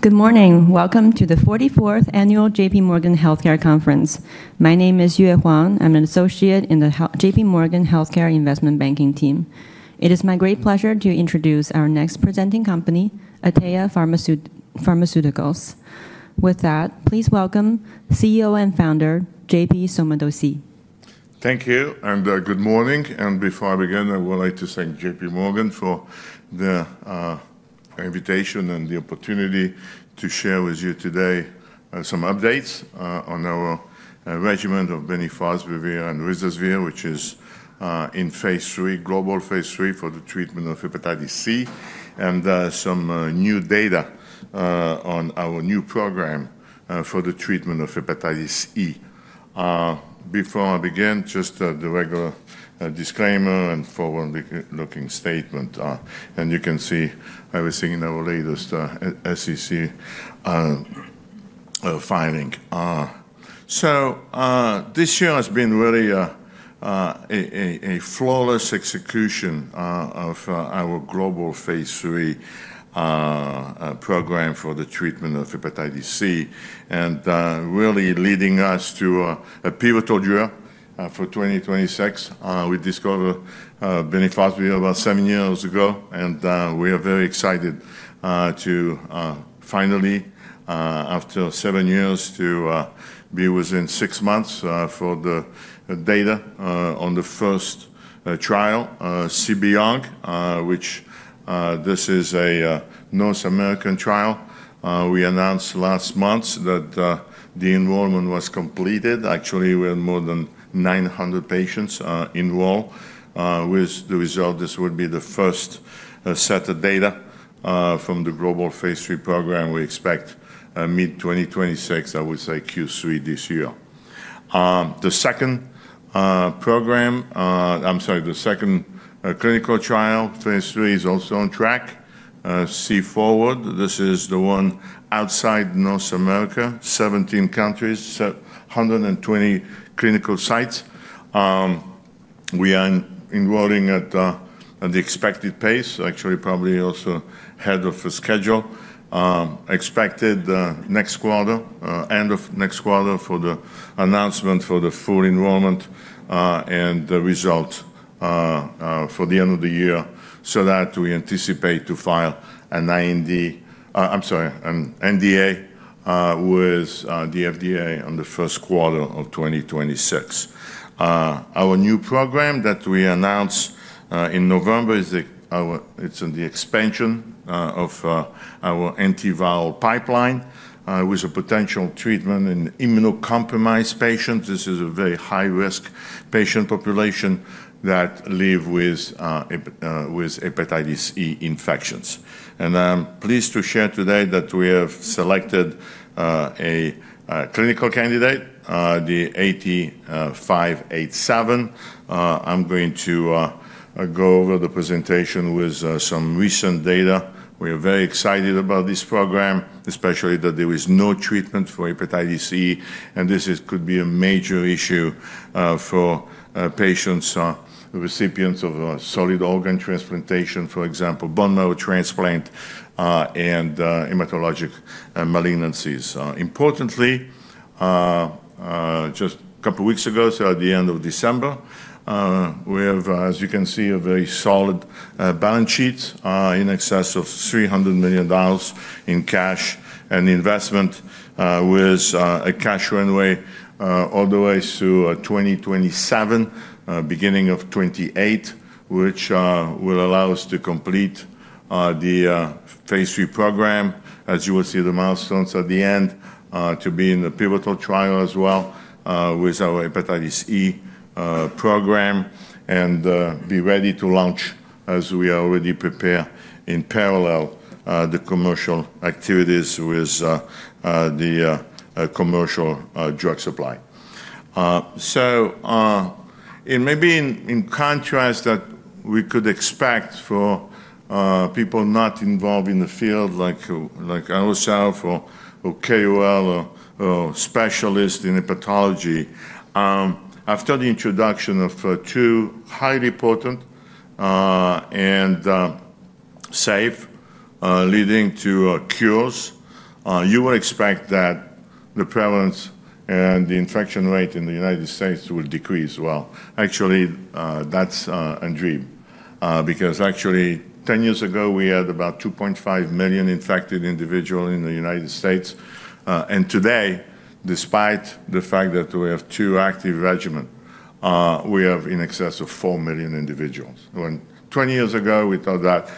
Good morning. Welcome to the 44th Annual JPMorgan Healthcare Conference. My name is Yue Huang. I'm an associate in the JPMorgan Healthcare Investment Banking team. It is my great pleasure to introduce our next presenting company, Atea Pharmaceuticals. With that, please welcome CEO and founder, J.P. Sommadossi. Thank you and good morning, and before I begin, I would like to thank JPMorgan for the invitation and the opportunity to share with you today some updates on our regimen of Bemnifosbuvir and ruzasvir, which is in phase III, global phase III for the treatment of Hepatitis C, and some new data on our new program for the treatment of Hepatitis E. Before I begin, just the regular disclaimer and forward-looking statement, and you can see everything in our latest SEC filing, so this year has been really a flawless execution of our global phase III program for the treatment of Hepatitis C, and really leading us to a pivotal year for 2026. We discovered Bemnifosbuvir about seven years ago, and we are very excited to finally, after seven years, to be within six months for the data on the first trial, CB-ARC, which this is a North American trial. We announced last month that the enrollment was completed. Actually, we had more than 900 patients enrolled. With the result, this would be the first set of data from the Global phase III program. We expect mid-2026, I would say Q3 this year. The second program, I'm sorry, the second clinical trial, phase III, is also on track. C-FORWARD. This is the one outside North America, 17 countries, 120 clinical sites. We are enrolling at the expected pace, actually probably also ahead of schedule. Expected next quarter, end of next quarter for the announcement for the full enrollment and the result for the end of the year, so that we anticipate to file an IND, I'm sorry, an NDA with the FDA on the first quarter of 2026. Our new program that we announced in November is the expansion of our antiviral pipeline with a potential treatment in immunocompromised patients. This is a very high-risk patient population that live with Hepatitis E infections, and I'm pleased to share today that we have selected a clinical candidate, the AT-587. I'm going to go over the presentation with some recent data. We are very excited about this program, especially that there is no treatment for Hepatitis E, and this could be a major issue for patients recipients of solid organ transplantation, for example, bone marrow transplant and hematologic malignancies. Importantly, just a couple of weeks ago, so at the end of December, we have, as you can see, a very solid balance sheet in excess of $300 million in cash and investment with a cash runway all the way through 2027, beginning of 2028, which will allow us to complete the phase III program. As you will see the milestones at the end, to be in the pivotal trial as well with our Hepatitis E program and be ready to launch, as we are already preparing in parallel, the commercial activities with the commercial drug supply, so maybe in contrast that we could expect for people not involved in the field, like ourselves or KOL or specialists in hepatology, after the introduction of two highly potent and safe, leading to cures, you would expect that the prevalence and the infection rate in the United States will decrease well. Actually, that's a dream, because actually, 10 years ago, we had about 2.5 million infected individuals in the United States, and today, despite the fact that we have two active regimens, we have in excess of 4 million individuals. When 20 years ago, we thought that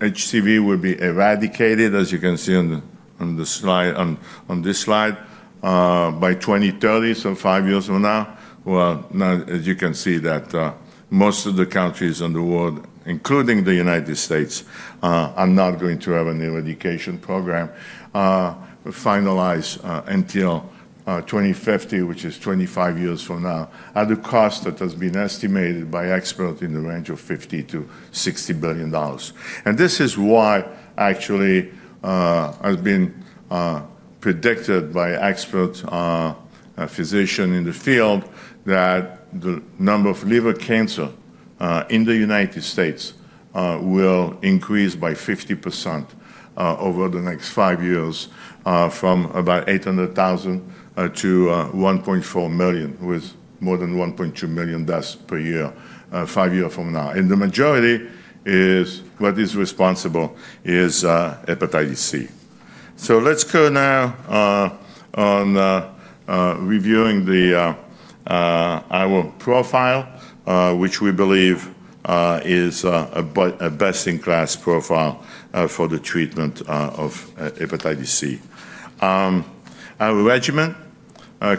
HCV would be eradicated, as you can see on this slide, by 2030, so five years from now, well, now, as you can see that most of the countries in the world, including the United States, are not going to have an eradication program finalized until 2050, which is 25 years from now, at a cost that has been estimated by experts in the range of $50-$60 billion. This is why, actually, has been predicted by experts, physicians in the field, that the number of liver cancers in the United States will increase by 50% over the next five years, from about 800,000 to 1.4 million, with more than 1.2 million deaths per year, five years from now. The majority is what is responsible is Hepatitis C. Let's go now on reviewing our profile, which we believe is a best-in-class profile for the treatment of Hepatitis C. Our regimen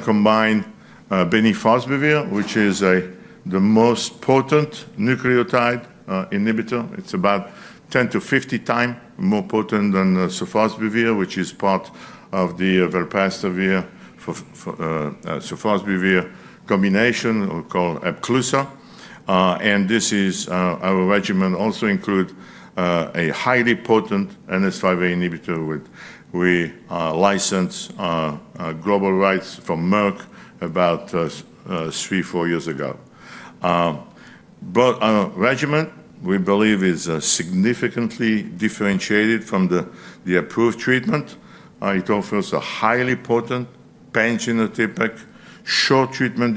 combines Bemnifosbuvir, which is the most potent nucleotide inhibitor. It's about 10 to 50 times more potent than Sofosbuvir, which is part of the Velpatasvir-Sofosbuvir combination called Epclusa. Our regimen also includes a highly potent NS5A inhibitor, which we licensed global rights from Merck about three, four years ago. Our regimen, we believe, is significantly differentiated from the approved treatment. It offers a highly potent pan-genotypic, short treatment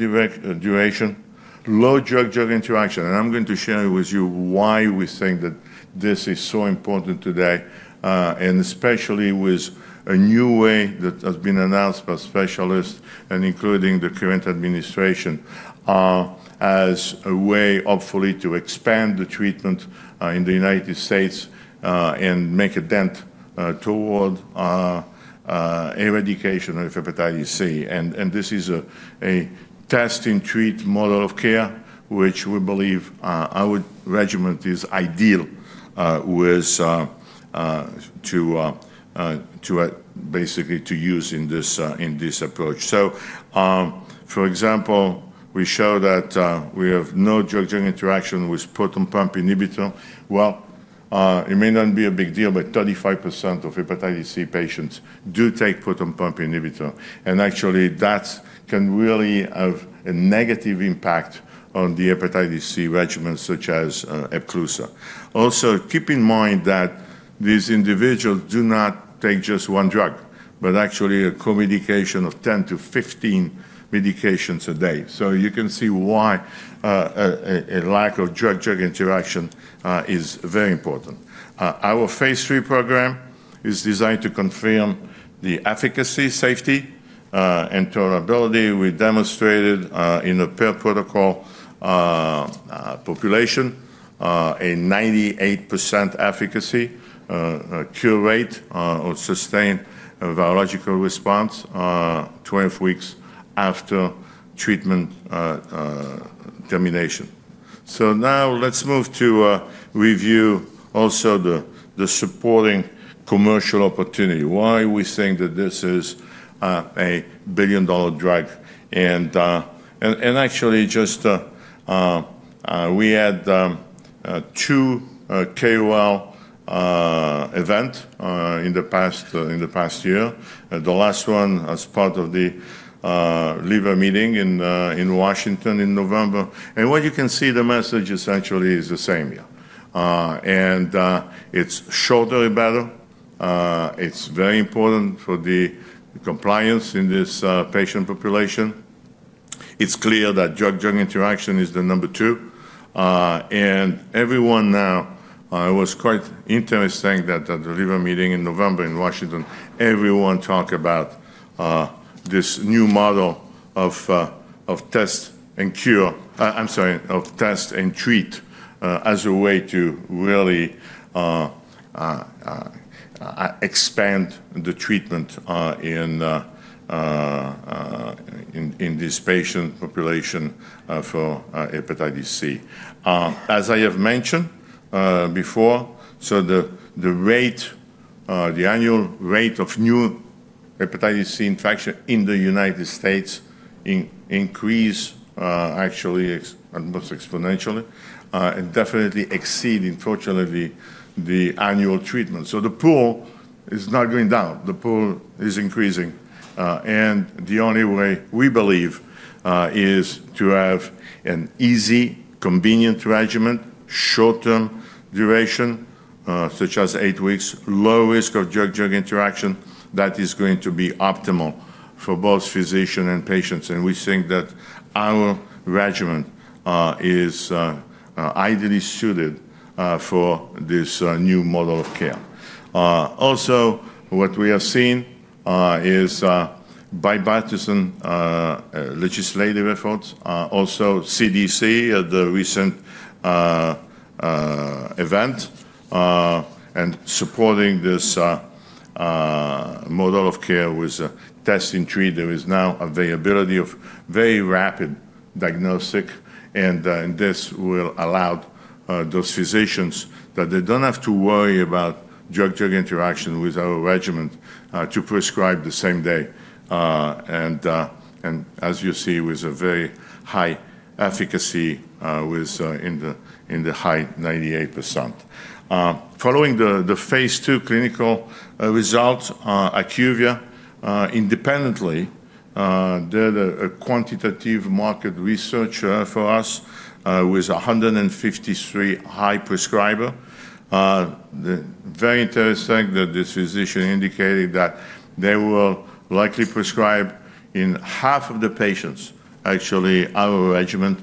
duration, low drug-drug interaction, and I'm going to share with you why we think that this is so important today, and especially with a new way that has been announced by specialists and including the current administration as a way, hopefully, to expand the treatment in the United States and make a dent toward eradication of Hepatitis C, and this is a test-and-treat model of care, which we believe our regimen is ideal to basically use in this approach, so for example, we show that we have no drug-drug interaction with proton pump inhibitor, well, it may not be a big deal, but 35% of Hepatitis C patients do take proton pump inhibitor, and actually, that can really have a negative impact on the Hepatitis C regimen, such as Epclusa. Also, keep in mind that these individuals do not take just one drug, but actually a combination of 10-15 medications a day. So you can see why a lack of drug-drug interaction is very important. Our phase III program is designed to confirm the efficacy, safety, and tolerability. We demonstrated in a per-protocol population a 98% efficacy cure rate or sustained virologic response 12 weeks after treatment termination. So now let's move to review also the supporting commercial opportunity. Why we think that this is a billion-dollar drug. And actually, we just had two KOL events in the past year. The last one as part of the liver meeting in Washington, D.C. in November. And what you can see, the message essentially is the same. And it's shorter and better. It's very important for the compliance in this patient population. It's clear that drug-drug interaction is the number two. And everyone now, it was quite interesting that at the liver meeting in November in Washington, D.C., everyone talked about this new model of test and cure, I'm sorry, of test and treat as a way to really expand the treatment in this patient population for Hepatitis C. As I have mentioned before, so the rate, the annual rate of new Hepatitis C infection in the United States increased actually almost exponentially and definitely exceeding, fortunately, the annual treatment. So the pool is not going down. The pool is increasing. And the only way we believe is to have an easy, convenient regimen, short-term duration, such as eight weeks, low risk of drug-drug interaction that is going to be optimal for both physicians and patients. And we think that our regimen is ideally suited for this new model of care. Also, what we have seen is by bipartisan legislative efforts, also CDC at the recent event and supporting this model of care with test-and-treat. There is now availability of very rapid diagnostic, and this will allow those physicians that they don't have to worry about drug-drug interaction with our regimen to prescribe the same day. And as you see, with a very high efficacy in the high 98%. Following the phase II clinical results, IQVIA, independently, they're the quantitative market researcher for us with 153 high prescribers. Very interesting that this physician indicated that they will likely prescribe in half of the patients, actually, our regimen,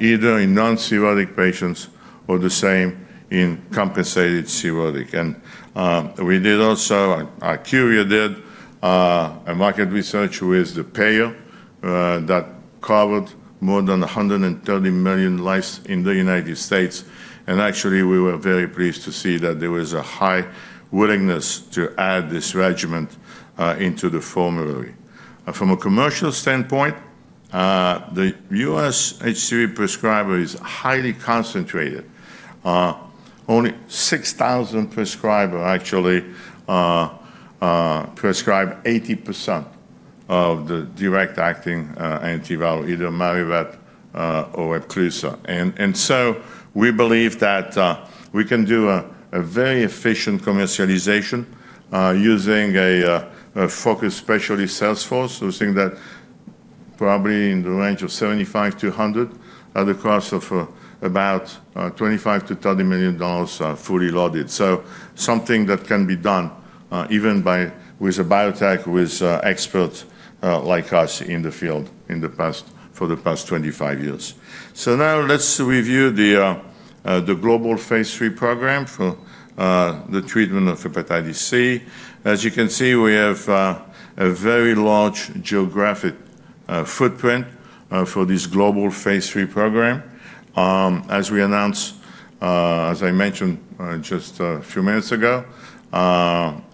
either in non-cirrhotic patients or the same in compensated cirrhotic. And we did also, IQVIA did a market research with the payer that covered more than 130 million lives in the United States. Actually, we were very pleased to see that there was a high willingness to add this regimen into the formulary. From a commercial standpoint, the U.S. HCV prescriber is highly concentrated. Only 6,000 prescribers actually prescribe 80% of the direct-acting antiviral, either Mavyret or Epclusa. And so we believe that we can do a very efficient commercialization using a focused specialist sales force. We think that probably in the range of 75-100 at the cost of about $25-$30 million fully loaded. So something that can be done even by with a biotech with experts like us in the field for the past 25 years. So now let's review the global phase III program for the treatment of hepatitis C. As you can see, we have a very large geographic footprint for this global phase III program. As we announced, as I mentioned just a few minutes ago,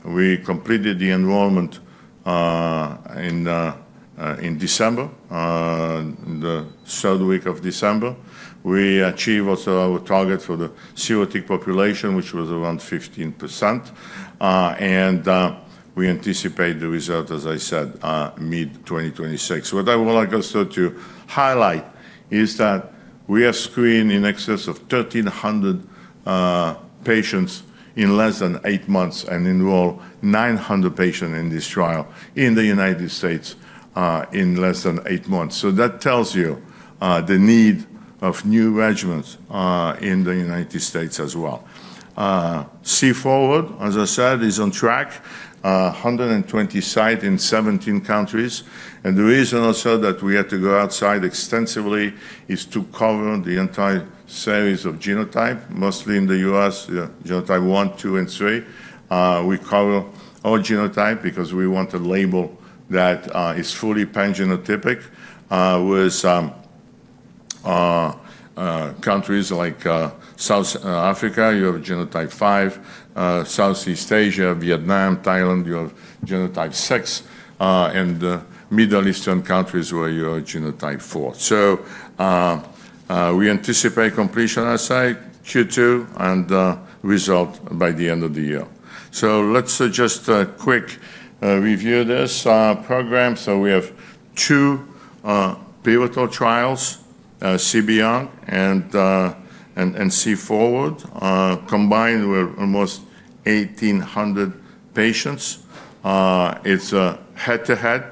we completed the enrollment in December, the third week of December. We achieved also our target for the cirrhotic population, which was around 15%, and we anticipate the result, as I said, mid-2026. What I would like also to highlight is that we have screened in excess of 1,300 patients in less than eight months and enrolled 900 patients in this trial in the United States in less than eight months, so that tells you the need of new regimens in the United States as well. C-FORWARD, as I said, is on track, 120 sites in 17 countries, and the reason also that we had to go outside extensively is to cover the entire series of genotypes, mostly in the U.S., genotype one, two, and three. We cover all genotypes because we want a label that is fully pan-genotypic with countries like South Africa, you have genotype five, Southeast Asia, Vietnam, Thailand, you have genotype six, and Middle Eastern countries where you have genotype four. So we anticipate completion, as I say, Q2 and result by the end of the year. So let's just quick review this program. So we have two pivotal trials, CB-ARC and C-FORWARD, combined with almost 1,800 patients. It's a head-to-head.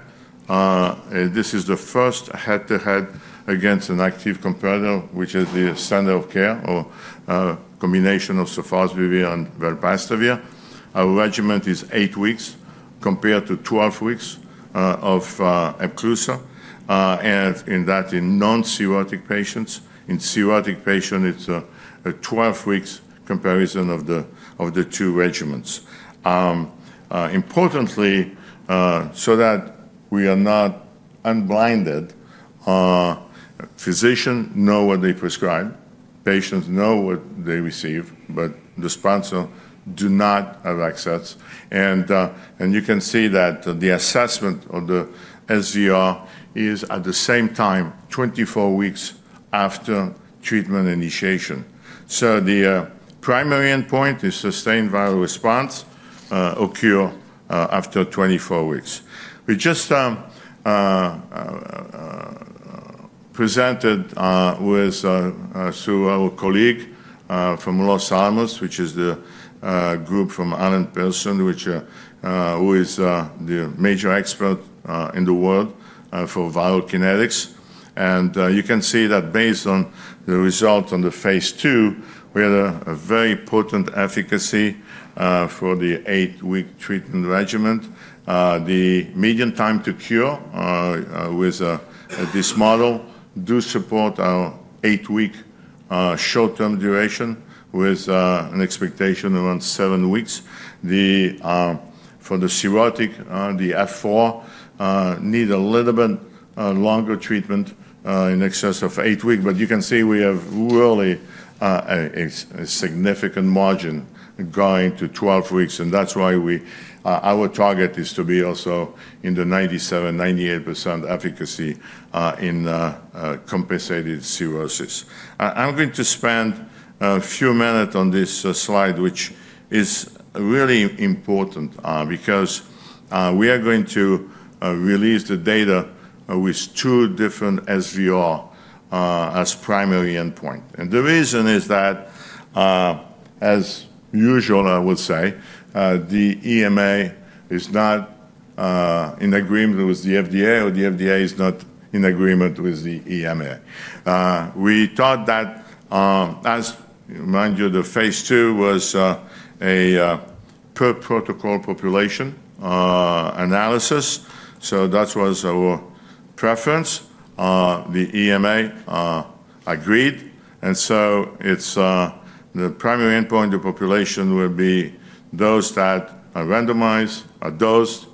This is the first head-to-head against an active competitor, which is the standard of care or combination of Sofosbuvir and Velpatasvir. Our regimen is eight weeks compared to 12 weeks of Epclusa, and in that, in non-cirrhotic patients. In cirrhotic patients, it's a 12-week comparison of the two regimens. Importantly, so that we are not unblinded, physicians know what they prescribe, patients know what they receive, but the sponsor does not have access. You can see that the assessment of the SVR is at the same time, 24 weeks after treatment initiation. The primary endpoint is sustained virologic response occur after 24 weeks. We just presented with our colleague from Los Alamos, which is the group from Alan Perelson, who is the major expert in the world for viral kinetics. You can see that based on the result on the phase II, we had a very potent efficacy for the eight-week treatment regimen. The median time to cure with this model does support our eight-week short-term duration with an expectation around seven weeks. For the cirrhotic, the F4 need a little bit longer treatment in excess of eight weeks. But you can see we have really a significant margin going to 12 weeks. And that's why our target is to be also in the 97%-98% efficacy in compensated cirrhosis. I'm going to spend a few minutes on this slide, which is really important because we are going to release the data with two different SVRs as primary endpoint. And the reason is that, as usual, I would say, the EMA is not in agreement with the FDA, or the FDA is not in agreement with the EMA. We thought that, as I remind you, the phase II was a per protocol population analysis. So that was our preference. The EMA agreed. And so the primary endpoint of the population will be those that are randomized, are dosed,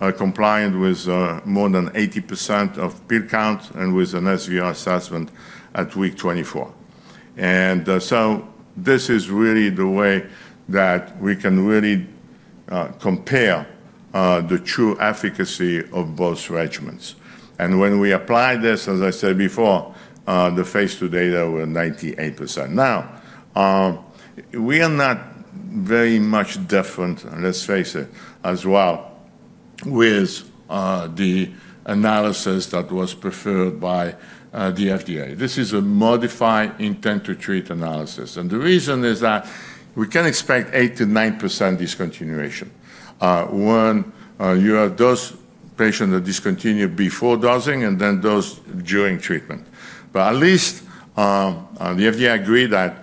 are compliant with more than 80% of pill count, and with an SVR assessment at week 24. And so this is really the way that we can really compare the true efficacy of both regimens. And when we apply this, as I said before, the phase II data were 98%. Now, we are not very much different, let's face it, as well with the analysis that was preferred by the FDA. This is a modified intent-to-treat analysis. And the reason is that we can expect 8%-9% discontinuation. When you have those patients that discontinue before dosing and then those during treatment. But at least the FDA agreed that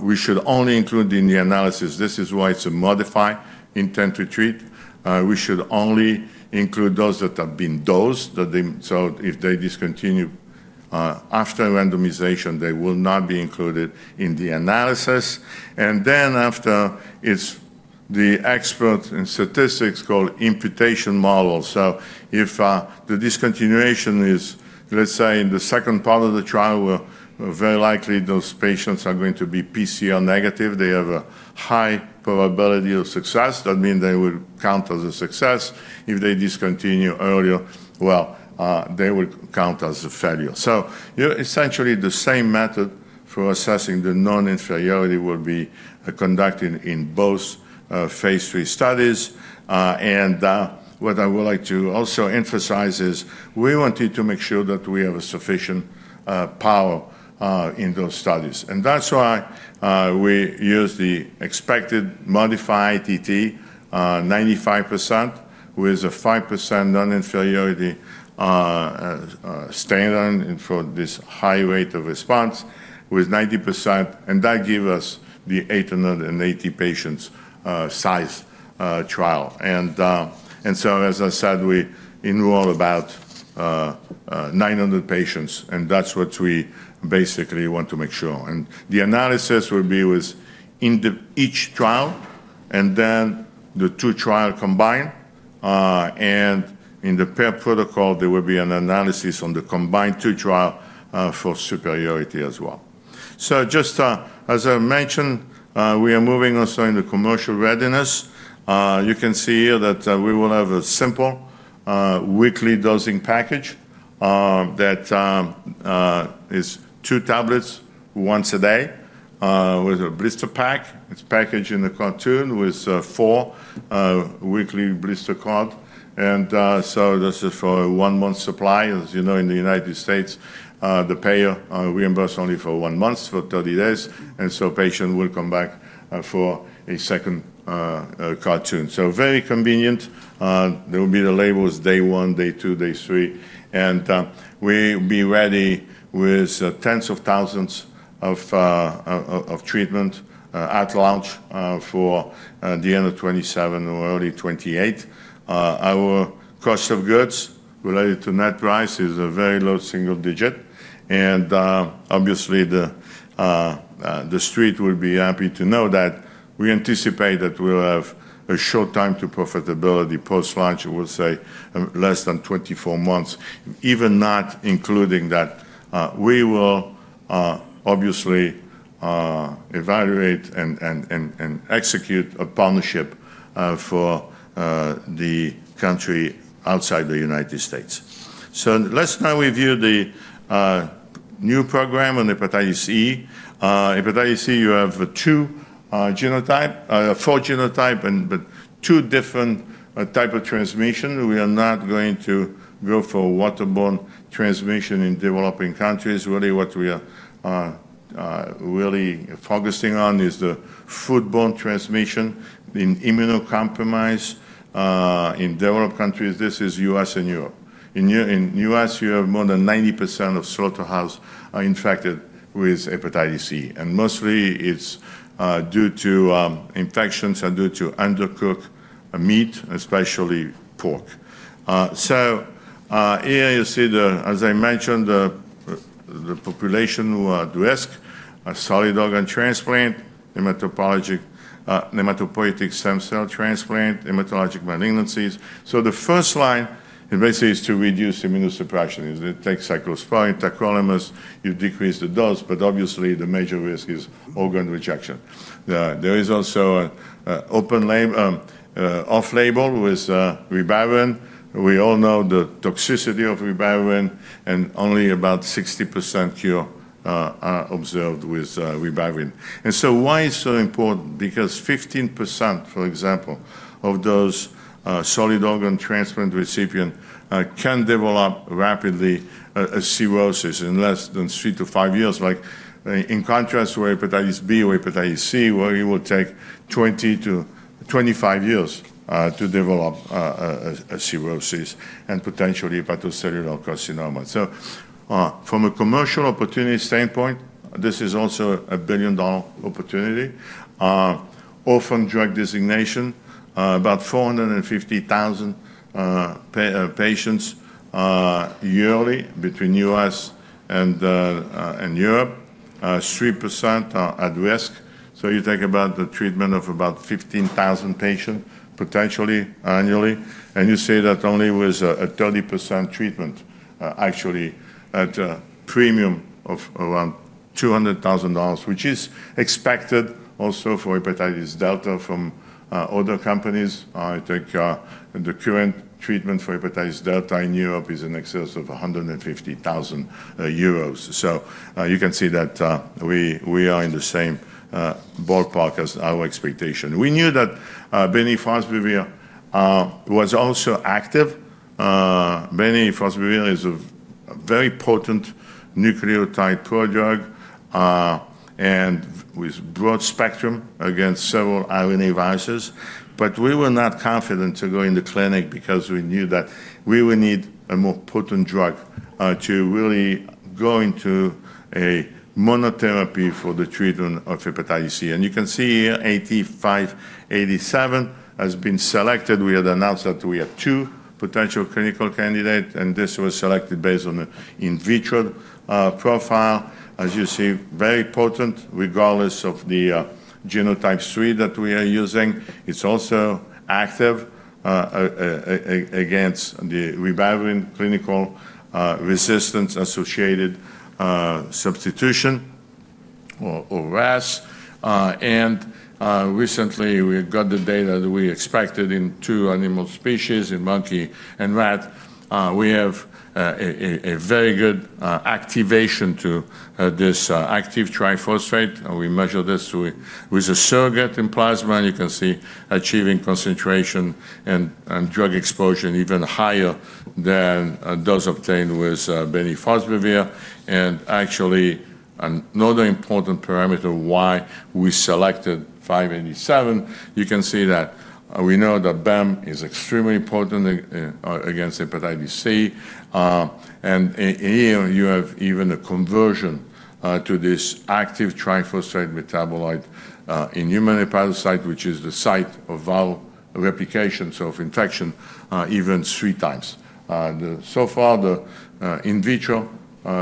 we should only include in the analysis. This is why it's a modified intent-to-treat. We should only include those that have been dosed. So if they discontinue after randomization, they will not be included in the analysis. And then after, it's the experts and statisticians called imputation models. So if the discontinuation is, let's say, in the second part of the trial, very likely those patients are going to be PCR negative. They have a high probability of success. That means they will count as a success. If they discontinue earlier, well, they will count as a failure. So essentially, the same method for assessing the non-inferiority will be conducted in both phase III studies. And what I would like to also emphasize is we wanted to make sure that we have a sufficient power in those studies. And that's why we use the expected modified ITT, 95%, with a 5% non-inferiority standard for this high rate of response with 90%. And that gives us the 880 patients size trial. And so, as I said, we enroll about 900 patients. And that's what we basically want to make sure. The analysis will be with each trial and then the two trials combined. In the per protocol, there will be an analysis on the combined two trials for superiority as well. Just as I mentioned, we are moving also in the commercial readiness. You can see here that we will have a simple weekly dosing package that is two tablets once a day with a blister pack. It's packaged in a carton with four weekly blister cards. This is for a one-month supply. As you know, in the United States, the payer reimburses only for one month for 30 days. Patients will come back for a second carton. Very convenient. There will be the labels day one, day two, day three. We'll be ready with tens of thousands of treatments at launch for the end of 2027 or early 2028. Our cost of goods related to net price is a very low single digit. And obviously, the street will be happy to know that we anticipate that we'll have a short time to profitability post-launch. We'll say less than 24 months, even not including that. We will obviously evaluate and execute a partnership for the countries outside the United States. So let's now review the new program on Hepatitis E. Hepatitis E, you have four genotypes but two different types of transmission. We are not going to go for waterborne transmission in developing countries. Really, what we are really focusing on is the foodborne transmission in immunocompromised developed countries. This is U.S. and Europe. In U.S., you have more than 90% of slaughterhouses infected with Hepatitis E. And mostly, it's due to infections due to undercooked meat, especially pork. So here, you see, as I mentioned, the population who are at risk are solid organ transplant, hematopoietic stem cell transplant, hematologic malignancies. So the first line basically is to reduce immunosuppression. It takes cyclosporine, tacrolimus. You decrease the dose. But obviously, the major risk is organ rejection. There is also an off-label with ribavirin. We all know the toxicity of ribavirin, and only about 60% cure are observed with ribavirin. And so why is it so important? Because 15%, for example, of those solid organ transplant recipients can develop rapidly a cirrhosis in less than three to five years. In contrast to Hepatitis B or Hepatitis C, where it will take 20-25 years to develop a cirrhosis and potentially hepatocellular carcinoma. So from a commercial opportunity standpoint, this is also a billion-dollar opportunity. Orphan drug designation, about 450,000 patients yearly between U.S. and Europe. 3% are at risk. So you take about the treatment of about 15,000 patients potentially annually. And you see that only with a 30% treatment, actually, at a premium of around $200,000, which is expected also for Hepatitis Delta from other companies. I think the current treatment for Hepatitis Delta in Europe is in excess of 150,000 euros. So you can see that we are in the same ballpark as our expectation. We knew that Bemnifosbuvir was also active. Bemnifosbuvir is a very potent nucleotide drug and with broad spectrum against several RNA viruses. But we were not confident to go in the clinic because we knew that we would need a more potent drug to really go into a monotherapy for the treatment of Hepatitis C. And you can see here, AT-587 has been selected. We had announced that we had two potential clinical candidates. And this was selected based on an in vitro profile. As you see, very potent regardless of the genotype three that we are using. It's also active against the ribavirin clinical resistance-associated substitution or RAS. And recently, we got the data that we expected in two animal species, in monkey and rat. We have a very good activation to this active triphosphate. We measure this with a surrogate in plasma. And you can see achieving concentration and drug exposure even higher than those obtained with Bemnifosbuvir. And actually, another important parameter why we selected 587, you can see that we know that BAM is extremely potent against Hepatitis C. And here, you have even a conversion to this active triphosphate metabolite in human hepatocyte, which is the site of viral replication, so of infection, even three times. So far, the in vitro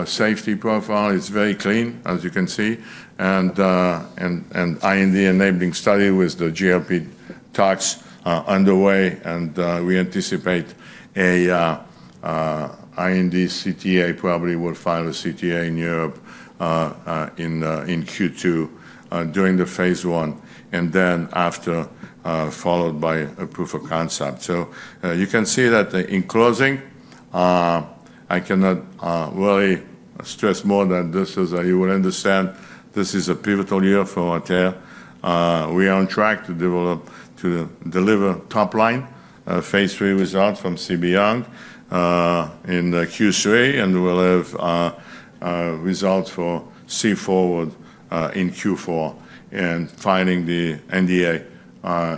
safety profile is very clean, as you can see. The IND-enabling study with the GLP tox underway. We anticipate an IND. CTA probably will file a CTA in Europe in Q2 during the phase I, and then after, followed by a proof of concept. You can see that in closing. I cannot really stress more than this is that you will understand this is a pivotal year for Atea. We are on track to deliver top-line phase III results from CB-ARC in Q3. We'll have results for the FORWARD in Q4 and filing the NDA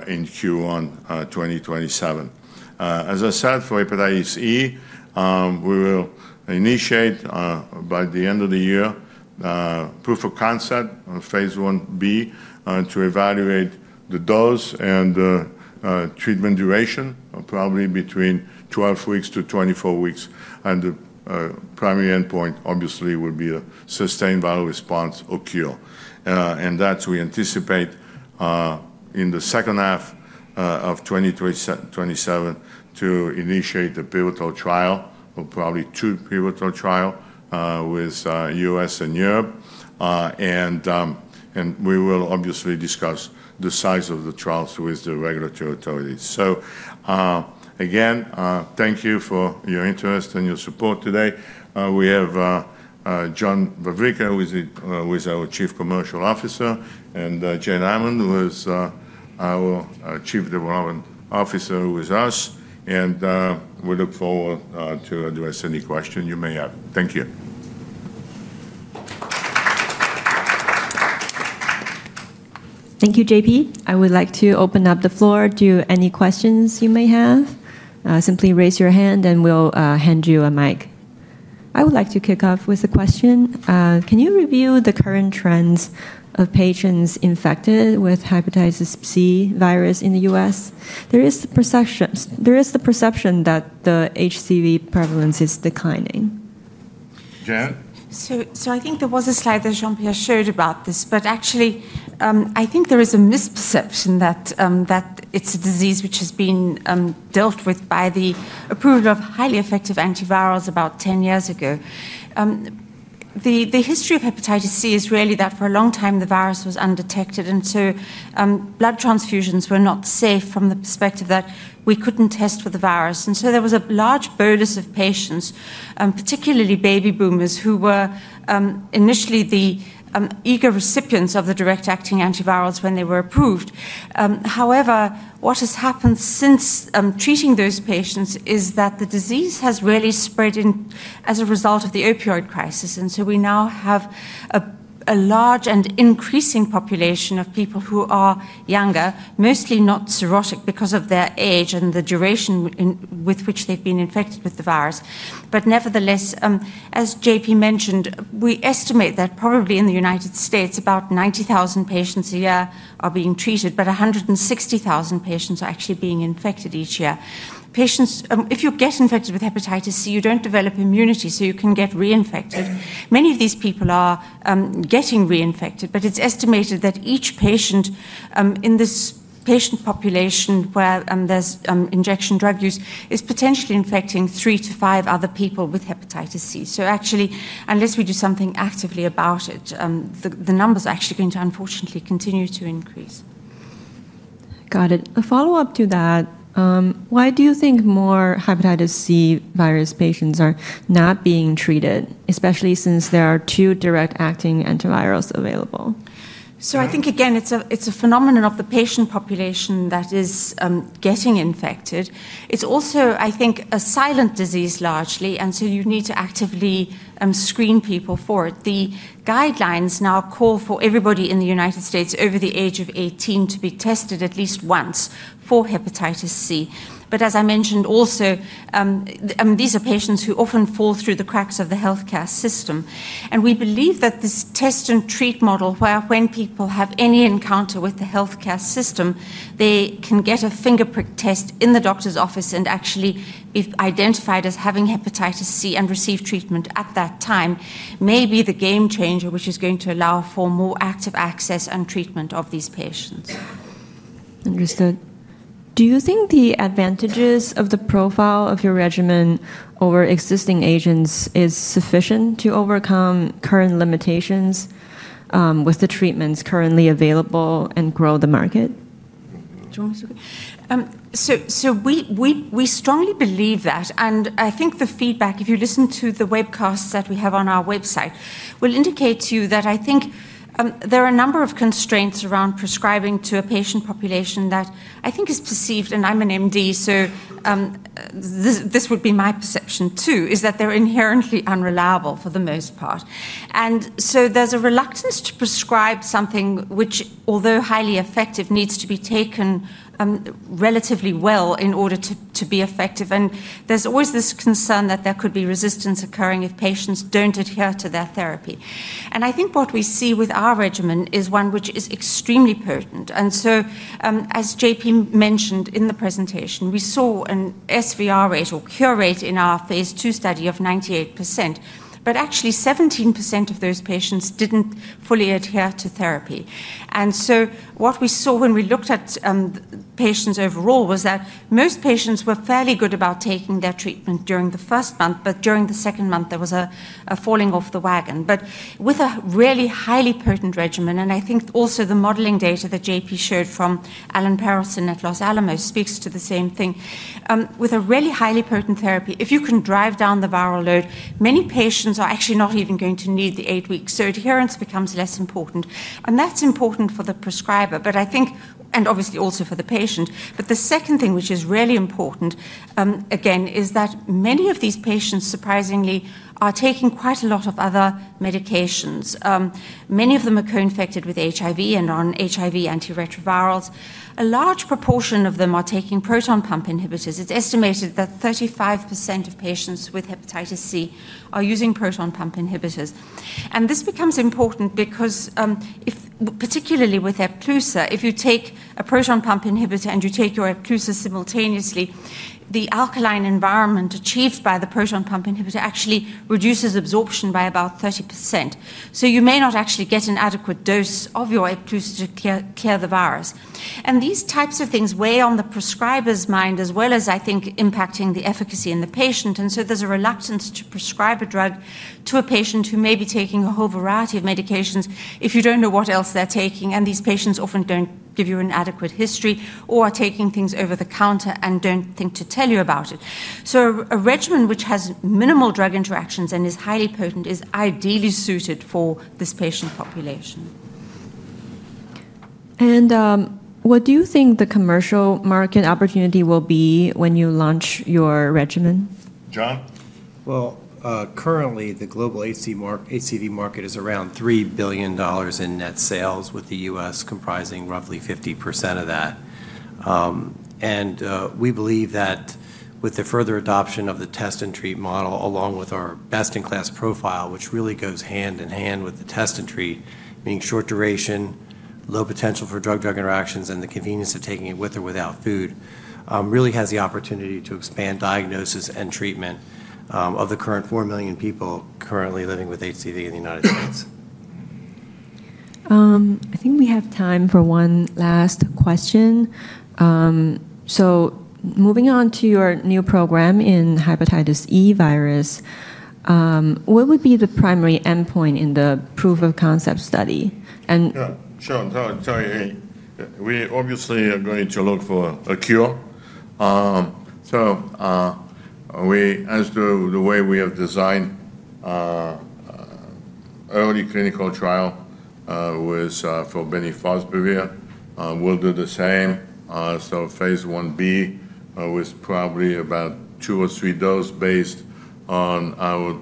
in Q1 2027. As I said, for Hepatitis E, we will initiate by the end of the year proof of concept on phase Ib to evaluate the dose and treatment duration, probably between 12-24 weeks. And the primary endpoint, obviously, will be a sustained viral response or cure. And that's we anticipate in the second half of 2027 to initiate a pivotal trial or probably two pivotal trials with U.S. and Europe. And we will obviously discuss the size of the trials with the regulatory authorities. So again, thank you for your interest and your support today. We have John Vavricka, who is our Chief Commercial Officer, and Janet Hammond, who is our Chief Development Officer with us. And we look forward to addressing any questions you may have. Thank you. Thank you, J.P. I would like to open up the floor to any questions you may have. Simply raise your hand, and we'll hand you a mic. I would like to kick off with a question. Can you review the current trends of patients infected with Hepatitis C virus in the U.S.? There is the perception that the HCV prevalence is declining. Janet? So I think there was a slide that Jean-Pierre showed about this. But actually, I think there is a misperception that it's a disease which has been dealt with by the approval of highly effective antivirals about 10 years ago. The history of Hepatitis C is really that for a long time, the virus was undetected. And so blood transfusions were not safe from the perspective that we couldn't test for the virus. And so there was a large burden of patients, particularly baby boomers, who were initially the eager recipients of the direct-acting antivirals when they were approved. However, what has happened since treating those patients is that the disease has really spread as a result of the opioid crisis. And so we now have a large and increasing population of people who are younger, mostly not cirrhotic because of their age and the duration with which they've been infected with the virus. But nevertheless, as JP mentioned, we estimate that probably in the United States, about 90,000 patients a year are being treated, but 160,000 patients are actually being infected each year. If you get infected with Hepatitis C, you don't develop immunity, so you can get reinfected. Many of these people are getting reinfected. But it's estimated that each patient in this patient population where there's injection drug use is potentially infecting three to five other people with Hepatitis C. So actually, unless we do something actively about it, the number is actually going to unfortunately continue to increase. Got it. A follow-up to that, why do you think more Hepatitis C virus patients are not being treated, especially since there are two direct-acting antivirals available? So I think, again, it's a phenomenon of the patient population that is getting infected. It's also, I think, a silent disease largely. And so you need to actively screen people for it. The guidelines now call for everybody in the United States over the age of 18 to be tested at least once for Hepatitis C. But as I mentioned also, these are patients who often fall through the cracks of the health care system. And we believe that this test and treat model where when people have any encounter with the health care system, they can get a fingerstick test in the doctor's office and actually be identified as having Hepatitis C and receive treatment at that time may be the game changer, which is going to allow for more active access and treatment of these patients. Understood. Do you think the advantages of the profile of your regimen over existing agents is sufficient to overcome current limitations with the treatments currently available and grow the market? So we strongly believe that. And I think the feedback, if you listen to the webcasts that we have on our website, will indicate to you that I think there are a number of constraints around prescribing to a patient population that I think is perceived, and I'm an M.D., so this would be my perception too, is that they're inherently unreliable for the most part. And so there's a reluctance to prescribe something which, although highly effective, needs to be taken relatively well in order to be effective. And there's always this concern that there could be resistance occurring if patients don't adhere to their therapy. And I think what we see with our regimen is one which is extremely potent. And so as J.P. mentioned in the presentation, we saw an SVR rate or cure rate in our phase II study of 98%. But actually, 17% of those patients didn't fully adhere to therapy. And so what we saw when we looked at patients overall was that most patients were fairly good about taking their treatment during the first month. But during the second month, there was a falling off the wagon. But with a really highly potent regimen, and I think also the modeling data that JP showed from Alan Perelson at Los Alamos speaks to the same thing, with a really highly potent therapy, if you can drive down the viral load, many patients are actually not even going to need the eight weeks. So adherence becomes less important. And that's important for the prescriber, but I think, and obviously also for the patient. But the second thing, which is really important, again, is that many of these patients surprisingly are taking quite a lot of other medications. Many of them are co-infected with HIV and are on HIV antiretrovirals. A large proportion of them are taking proton pump inhibitors. It's estimated that 35% of patients with Hepatitis C are using proton pump inhibitors. And this becomes important because particularly with Epclusa, if you take a proton pump inhibitor and you take your Epclusa simultaneously, the alkaline environment achieved by the proton pump inhibitor actually reduces absorption by about 30%. So you may not actually get an adequate dose of your Epclusa to clear the virus. And these types of things weigh on the prescriber's mind as well as, I think, impacting the efficacy in the patient. And so there's a reluctance to prescribe a drug to a patient who may be taking a whole variety of medications if you don't know what else they're taking. And these patients often don't give you an adequate history or are taking things over the counter and don't think to tell you about it. So a regimen which has minimal drug interactions and is highly potent is ideally suited for this patient population. And what do you think the commercial market opportunity will be when you launch your regimen? John? Well, currently, the global HCV market is around $3 billion in net sales with the U.S., comprising roughly 50% of that. We believe that with the further adoption of the test and treat model, along with our best-in-class profile, which really goes hand in hand with the test and treat, being short duration, low potential for drug-drug interactions, and the convenience of taking it with or without food, really has the opportunity to expand diagnosis and treatment of the current four million people currently living with HCV in the United States. I think we have time for one last question. Moving on to your new program in Hepatitis E virus, what would be the primary endpoint in the proof of concept study? And Jean, tell you anything. We obviously are going to look for a cure. As the way we have designed early clinical trial for Bemnifosbuvir, we'll do the same. So phase Ib was probably about two or three doses based on our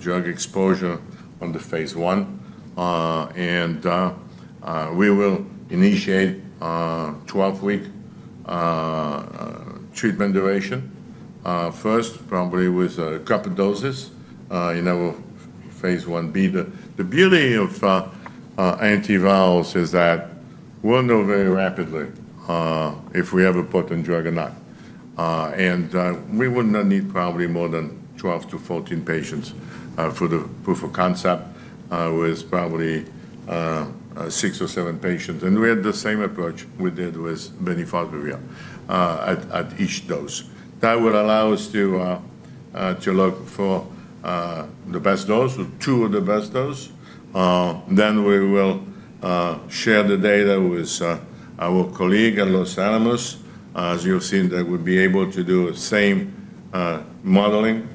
drug exposure on the phase I. And we will initiate 12-week treatment duration first, probably with a couple of doses in our phase Ib. The beauty of antivirals is that we'll know very rapidly if we have a potent drug or not. And we would not need probably more than 12 to 14 patients for the proof of concept with probably six or seven patients. And we had the same approach we did with Bemnifosbuvir at each dose. That will allow us to look for the best dose or two of the best dose. Then we will share the data with our colleague at Los Alamos. As you've seen, they will be able to do the same modeling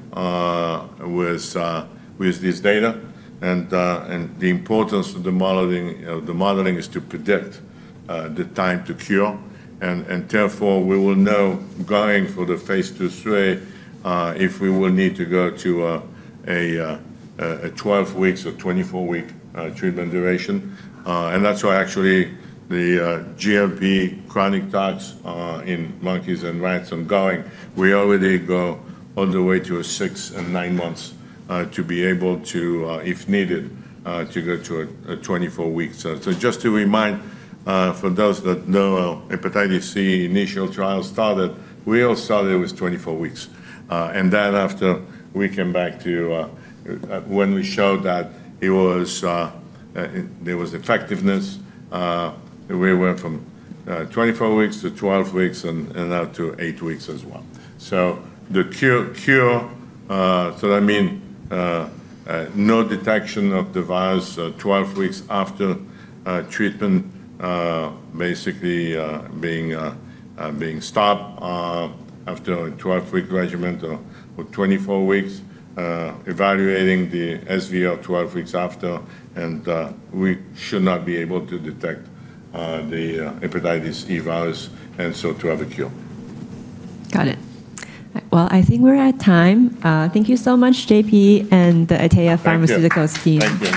with this data. And the importance of the modeling is to predict the time to cure. And therefore, we will know going for the phase II, 3 if we will need to go to a 12-week or 24-week treatment duration. And that's why actually the GLP chronic tox in monkeys and rats ongoing, we already go all the way to six and nine months to be able to, if needed, to go to 24 weeks. So just to remind for those that know Hepatitis C initial trials started, we all started with 24 weeks. And then after we came back to when we showed that there was effectiveness, we went from 24 weeks to 12 weeks and now to eight weeks as well. So, the cure, so that means no detection of the virus 12 weeks after treatment basically being stopped after a 12-week regimen or 24 weeks, evaluating the SVR 12 weeks after, and we should not be able to detect the Hepatitis E virus and so to have a cure. Got it. Well, I think we're at time. Thank you so much, JP and the Atea Pharmaceuticals team.